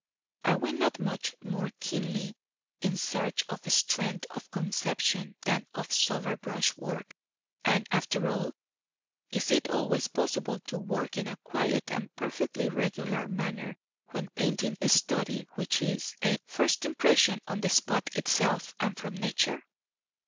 Are we not much more keenly in search of strength of conception than of sober brush work, and, after all, is it always possible to work in a quiet and perfectly regular manner when painting a study which is a first impression, on the spot itself, and from nature?